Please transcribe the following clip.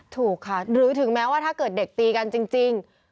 ถูกค่ะหรือถึงแม้ว่าถ้าเกิดเด็กตีกันจริง